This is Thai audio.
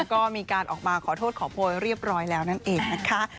ก็มีการออกมาขอโทษขอโพยเรียบร้อยแล้วนั่นเองนะคะ